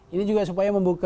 ini juga supaya membuka